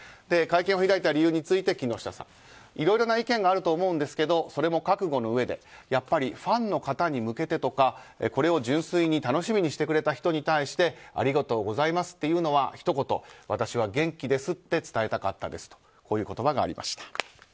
会見を開いた理由についていろいろな意見があると思うんですけどそれも覚悟のうえでやっぱりファンの方に向けてとかこれを純粋に楽しみにしてくれた人に対してありがとうございますというのはひと言、私は元気ですって伝えたかったですという言葉がありました。